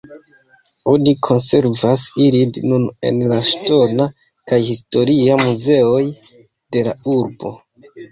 Oni konservas ilin nun en la ŝtona kaj historia muzeoj de la urbo.